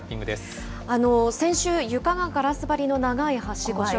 先週、床がガラス張りの長い橋、怖い橋。